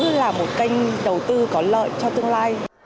cũng là một kênh đầu tư có lợi cho tương lai